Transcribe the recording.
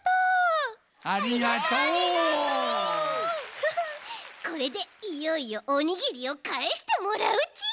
フフッこれでいよいよおにぎりをかえしてもらうち！